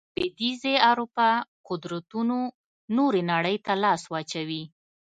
لوېدیځې اروپا قدرتونو نورې نړۍ ته لاس واچوي.